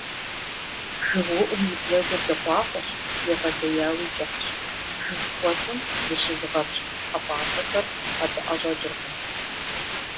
ЖыгыуIум и бзэгур дыкъуакъуэщ, егъэлеяуи кIыхьщ. Жыг кIуэцIым зыщызыгъэпщкIу хьэпIацIэхэр абы IэщIэкIыркъым.